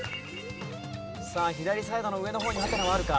さあ左サイドの上の方にハテナはあるか？